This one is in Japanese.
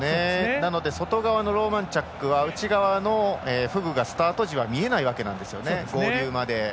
なので外側のローマンチャックは内側のフグがスタート時は見えないわけなんですね合流まで。